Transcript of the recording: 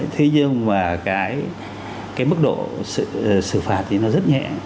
thế nhưng mà cái mức độ xử phạt thì nó rất nhẹ